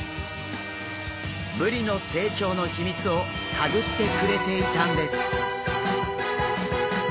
ブリの成長の秘密を探ってくれていたんです。